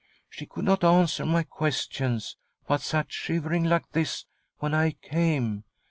She could not answer my ques tions, but sat shivering like this when I came.